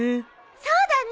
そうだね。